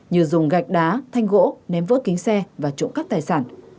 như dùng gạch đá thanh gỗ ném vỡ kính xe và trộm cắp tài sản